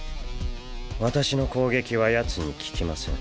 私の攻撃はヤツに効きません。